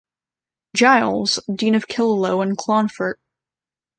Giles, Dean of Killaloe and Clonfert.